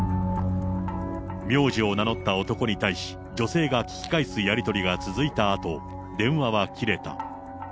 名字を名乗った男に対し、女性が聞き返すやり取りが続いたあと、電話は切れた。